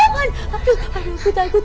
aduh aku takut